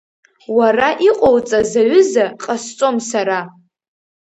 Уара иҟоуҵаз аҩыза ҟасҵом сара!